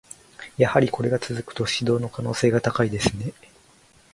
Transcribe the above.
やはりこれが続くと、指導の可能性が高いですね。